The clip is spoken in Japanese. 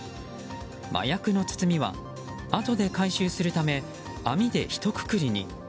麻薬の包みはあとで回収するため網で、ひとくくりに。